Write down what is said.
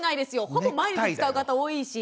ほぼ毎日使う方多いし。